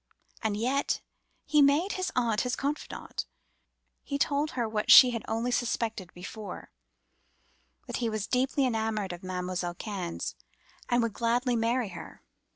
And yet he made his aunt his confidante—told her what she had only suspected before—that he was deeply enamoured of Mam'selle Cannes, and would gladly marry her.